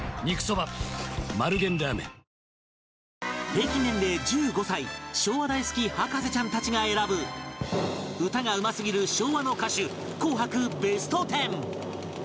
平均年齢１５歳昭和大好き博士ちゃんたちが選ぶ歌がうますぎる昭和の歌手紅白ベストテン